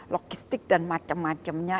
logistik dan macam macamnya